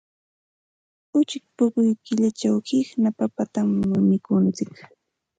Uchik puquy killachaq qiqna papatam mikuntsik.